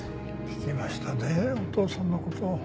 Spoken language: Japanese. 聞きましたでお父さんの事。